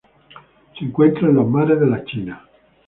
Se encuentra en los mares de la China.